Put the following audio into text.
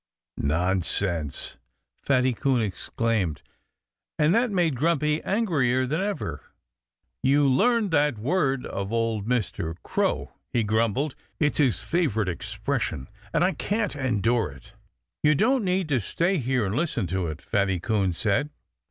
"Nonsense!" Fatty Coon exclaimed. And that made Grumpy angrier than ever. "You learned that word of old Mr. Crow!" he grumbled. "It's his favorite expression; and I can't endure it." "You don't need to stay here and listen to it," Fatty Coon said.